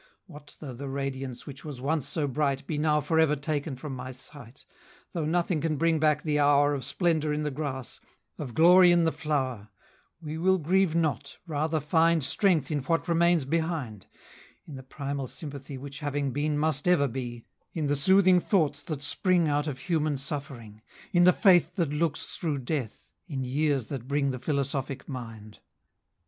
What though the radiance which was once so bright 180 Be now for ever taken from my sight, Though nothing can bring back the hour Of splendour in the grass, of glory in the flower; We will grieve not, rather find Strength in what remains behind; 185 In the primal sympathy Which having been must ever be; In the soothing thoughts that spring Out of human suffering; In the faith that looks through death, 190 In years that bring the philosophic mind.